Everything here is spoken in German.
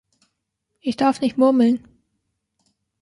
Ich darf nicht murmeln.